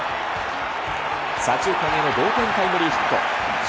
左中間への同点タイムリーヒット。